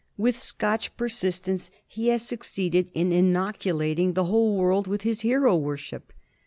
With Scotch persistence he has succeeded in inoculating the whole world with his hero worship.